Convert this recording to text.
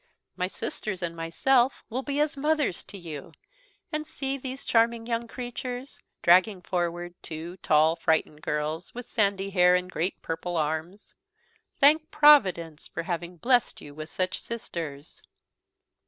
My sisters and myself will be as mothers to you; and see these charming young creatures," dragging forward two tall frightened girls, with sandy hair and great purple arms; "thank Providence for having blest you with such sisters!"